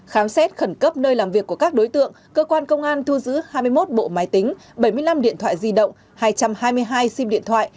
khám xét khẩn cấp nơi làm việc của các đối tượng cơ quan công an thu giữ hai mươi một bộ máy tính bảy mươi năm điện thoại di động hai trăm hai mươi hai sim điện thoại